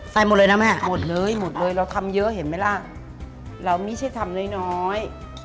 หมดเลยนะแม่หมดเลยหมดเลยเราทำเยอะเห็นไหมล่ะเราไม่ใช่ทำน้อยน้อย